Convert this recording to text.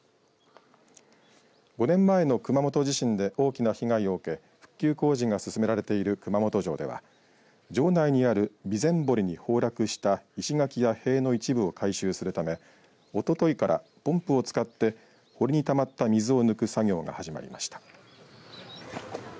５年前の熊本地震で大きな被害を受け復旧工事が進められている熊本城では城内にある備前堀に崩落した石垣や塀の一部を回収するためおとといから、ポンプを使って堀にたまった水を抜く作業が始まりました。